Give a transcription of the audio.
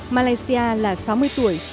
malaysia là sáu mươi tuổi